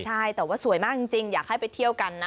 ใช่แต่ว่าสวยมากจริงอยากให้ไปเที่ยวกันนะ